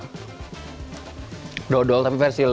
tapi masih ada kue kue yang masih matang